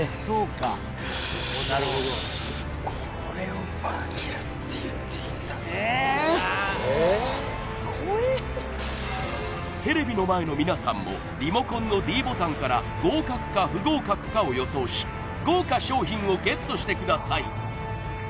はいはいありがとうございますテレビの前の皆さんもリモコンのｄボタンから合格か不合格かを予想し豪華賞品をＧＥＴしてください